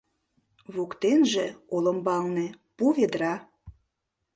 Воктенже, олымбалне, пу ведра.